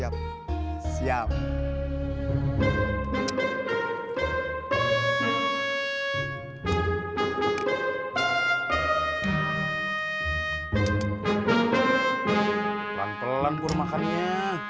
pelan pelan kur makannya